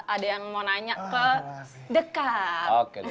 ada yang mau nanya ke dekat